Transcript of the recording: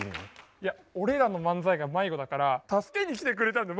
いや俺らの漫才が迷子だから助けに来てくれたんだよ